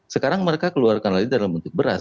sekarang mereka keluarkan lagi dalam bentuk beras